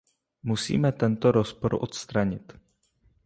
Musíme tento rozpor odstranit.